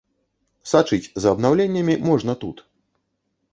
Сачыць за абнаўленнямі можна тут!